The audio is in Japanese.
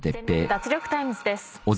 脱力タイムズ』です。